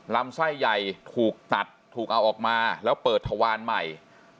ลำไส้ใหญ่ถูกตัดถูกเอาออกมาแล้วเปิดทวารใหม่